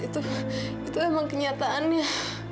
itu itu emang kenyataannya